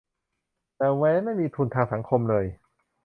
แต่แว้นไม่มีทุนทางสังคมเลย